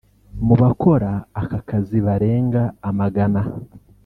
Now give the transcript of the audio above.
Mu bakora aka kazi barenga amagana